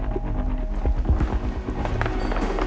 tidak ada yang bisa dipercaya